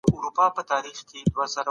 د دولت دنده د امنیت ساتل دي.